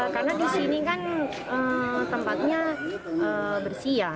karena di sini kan tempatnya bersih ya